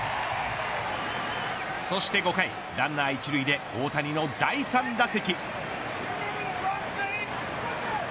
そして５回ランナー一塁で大谷の第３打席。